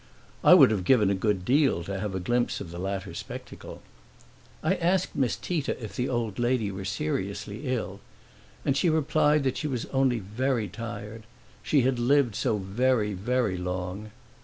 I would have given a good deal to have a glimpse of the latter spectacle. I asked Miss Tita if the old lady were seriously ill, and she replied that she was only very tired she had lived so very, very long.